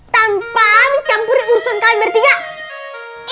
tanpa mencampuri urusan kalian berarti gak